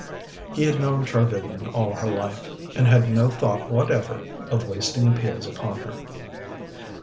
He had known Char Vivian all her life, and had no thought whatever of wasting appeals upon her.